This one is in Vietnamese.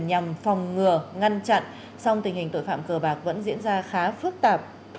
nhằm phòng ngừa ngăn chặn song tình hình tội phạm cờ bạc vẫn diễn ra khá phức tạp